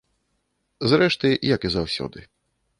Зрэшты, як і заўсёды.